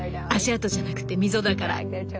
足跡じゃなくて溝だから。